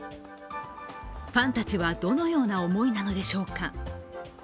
ファンたちはどのような思いなのでしょうか。